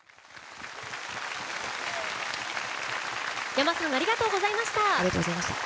ｙａｍａさんありがとうございました。